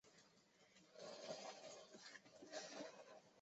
中国电影博物馆是北京市人民政府直属事业单位。